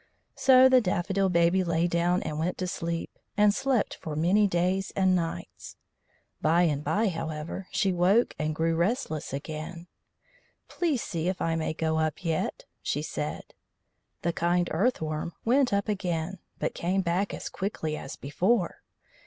So the Daffodil Baby lay down and went to sleep, and slept for many days and nights. By and by, however, she woke and grew restless again. "Please see if I may go up yet," she said. The kind Earth worm went up again, but came back as quickly as before.